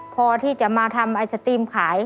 พอที่จะมาทำไอศครีมขาย